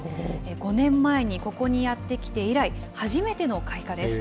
５年前に、ここにやって来て以来、初めての開花です。